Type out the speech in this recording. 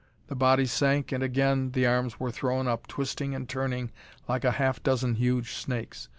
The body sank and again the arms were thrown up, twisting and turning like a half dozen huge snakes.